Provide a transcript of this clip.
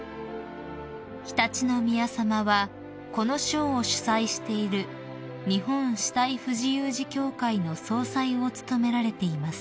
［常陸宮さまはこの賞を主催している日本肢体不自由児協会の総裁を務められています］